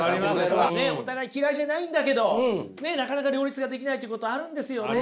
お互い嫌いじゃないんだけどなかなか両立ができないっていうことあるんですよね。